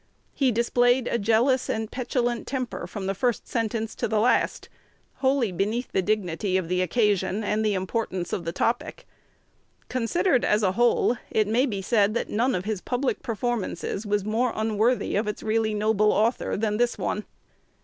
He displayed a jealous and petulant temper from the first sentence to the last, wholly beneath the dignity of the occasion and the importance of the topic. Considered as a whole, it may be said that none of his public performances was more unworthy of its really noble author than this one.